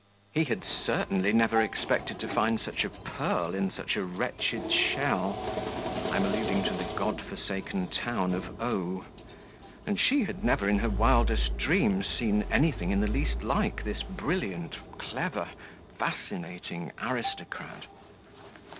He had certainly never expected to find such a pearl in such a wretched shell (I am alluding to the God forsaken town of O ), and she had never in her wildest dreams seen anything in the least like this brilliant, clever, fascinating aristocrat.